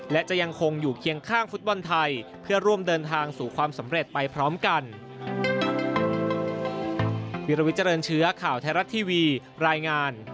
และจะยังคงอยู่เคียงข้างฟุตบอลไทยเพื่อร่วมเดินทางสู่ความสำเร็จไปพร้อมกัน